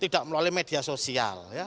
tidak melalui media sosial